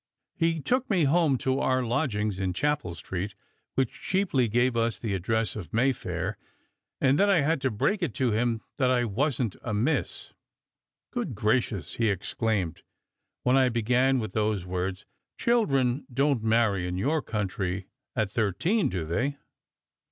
He took me home to our lodgings in Chapel Street (which cheaply gave us the address of Mayfair) and then I had to break it to him that I wasn t a Miss. " Good gracious !" he exclaimed, when I began with those words. "Children don t marry in your country at thir teen, do they?"